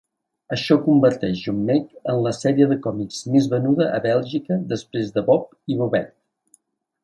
Això converteix Jommeke en la sèrie de còmics més venuda a Bèlgica després de Bob i Bobet.